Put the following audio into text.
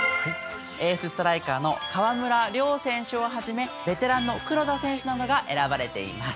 エースストライカーの川村怜選手をはじめベテランの黒田選手などが選ばれています。